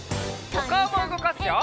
おかおもうごかすよ！